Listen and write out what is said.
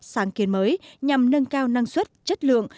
sáng kiến mới nhằm nâng cao năng suất chất lượng